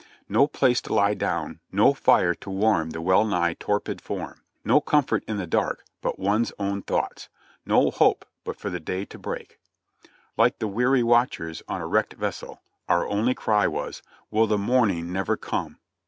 No place to lie down, no fire to warm the well nigh torpid form, no comfort in the dark but one's own thoughts ; no hope but for the day to break. Like the weary watchers on a wrecked vessel, our only cry was, "Will the morning never come?"